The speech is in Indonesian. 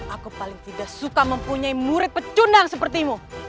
aku paling tidak suka mempunyai murid pecundang seperti mu